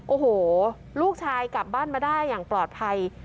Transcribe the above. โอ้โหลูกชายกลับบ้านมาได้อย่างปลอดภัย